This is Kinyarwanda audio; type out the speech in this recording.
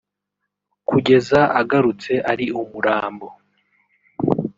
kugeza agarutse ari umurambo